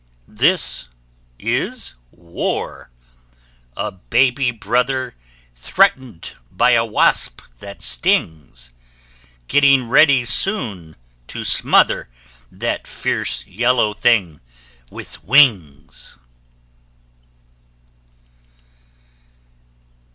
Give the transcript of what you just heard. This is War: a baby brother Threatened by a wasp that stings, Getting ready soon to smother That fierce yellow thing with wings.